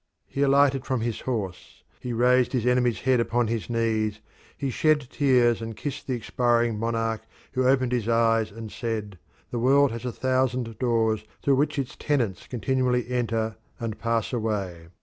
He alighted from his horse; he raised his enemy's head upon his knees; he shed tears and kissed the expiring monarch who opened his eyes and said, "The world has a thousand doors through which its tenants continually enter and pass away."